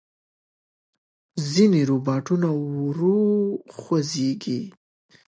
ځینې روباټونه ورو خوځېږي.